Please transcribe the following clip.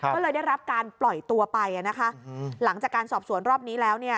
ก็เลยได้รับการปล่อยตัวไปนะคะหลังจากการสอบสวนรอบนี้แล้วเนี่ย